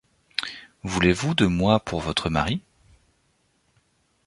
Voulez-vous de moi pour votre mari ?